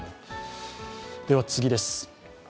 では次です。